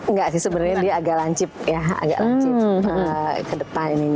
enggak sih sebenarnya dia agak lancip ya agak lancip ke depan ini